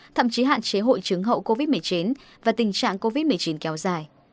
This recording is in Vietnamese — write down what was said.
thậm chí hạn chế hội chứng hậu covid một mươi chín và tình trạng covid một mươi chín kéo dài